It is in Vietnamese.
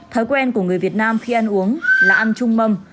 thói quen của người việt nam khi ăn uống là ăn trung mâm